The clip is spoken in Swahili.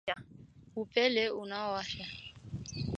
Upele unaowasha